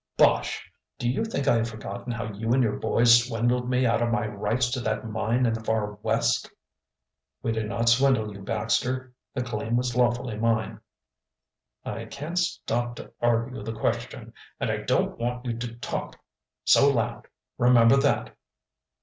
"Bosh! Do you think I have forgotten how you and your boys swindled me out of my rights to that mine in the far West?" "We did not swindle you, Baxter. The claim was lawfully mine." "I can't stop to argue the question, and I don't want you to talk so loud, remember that.